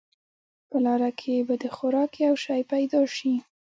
په لاره کې به د خوراک یو شی پیدا شي.